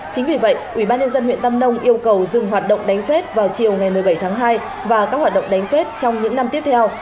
chính vì vậy ubnd huyện tam nông yêu cầu dừng hoạt động đánh phết vào chiều ngày một mươi bảy tháng hai và các hoạt động đánh phết trong những năm tiếp theo